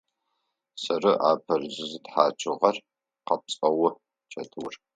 Сэры апэу зызытхьакӏыгъэр! – къэпцӏэугъ Чэтыур.